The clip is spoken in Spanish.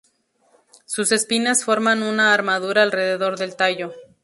Sus espinas forman una armadura alrededor del tallo.